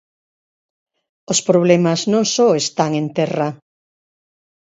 Os problemas non só están en terra.